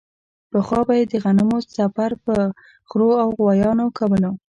پخوا به یې د غنمو څپر په خرو او غوایانو کولو.